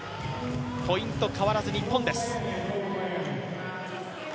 ポイント、変わらず日本です。